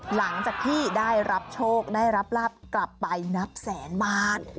หลังจากที่ได้รับโชคได้รับลาบกลับไปนับแสนบาท